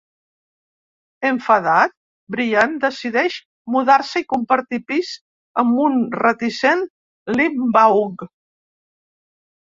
Enfadat, Brian decideix mudar-se i compartir pis amb un reticent Limbaugh.